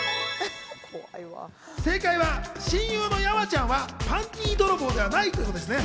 正解は、親友の山ちゃんはパンティー泥棒ではない！ということですね。